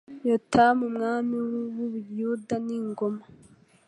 Yotamu umwami w u Buyuda n ingoma